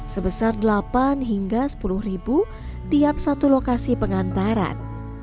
sebesar delapan hingga sepuluh ribu tiap satu lokasi pengantaran